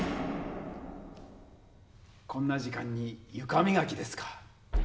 こんな時間にゆかみがきですか？